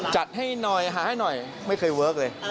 จัดให้หน่อยหาให้หน่อยไม่เคยเวิร์คเลย